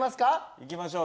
いきましょう。